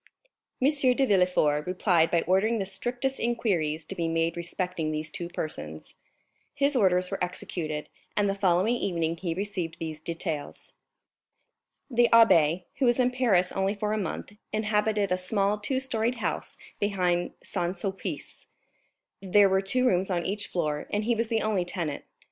M. de Villefort replied by ordering the strictest inquiries to be made respecting these two persons; his orders were executed, and the following evening he received these details: "The abbé, who was in Paris only for a month, inhabited a small two storied house behind Saint Sulpice; there were two rooms on each floor and he was the only tenant.